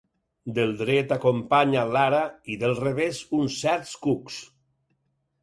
Del dret acompanya l'ara i del revés uns certs cucs.